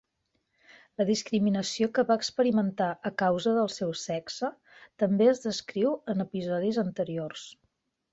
La discriminació que va experimentar a causa del seu sexe també es descriu en episodis anteriors.